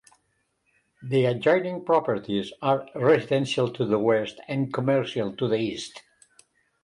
The adjoining properties are residential to the west and commercial to the east.